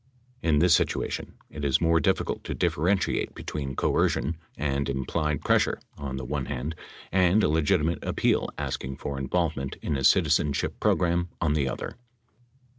In this situation it is more difficult to differentiate between coercion and implied pressure on the one hand and a legitimate appeal asking for involvement in a citizenship program on the other.